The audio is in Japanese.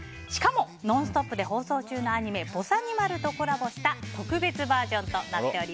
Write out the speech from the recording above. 「ノンストップ！」で放送中のアニメ「ぼさにまる」とコラボした特別バージョンです。